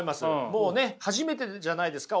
もうね初めてじゃないですか？